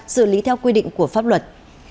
xử lý theo quy định của pháp luật